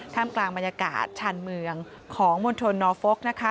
ท่ามกลางบรรยากาศชานเมืองของมนตรนอฟกร์นะคะ